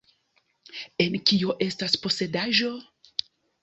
En "Kio estas Posedaĵo?